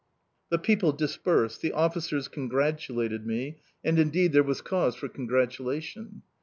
The people dispersed, the officers congratulated me and indeed there was cause for congratulation.